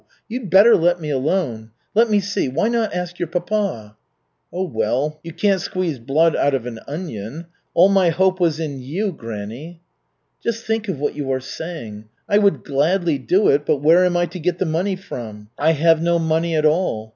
You'd better let me alone. Let me see why not ask your papa?" "Oh, well, you can't squeeze blood out of an onion. All my hope was in you, granny." "Just think of what you are saying. I would gladly do it, but where am I to get the money from? I have no money at all.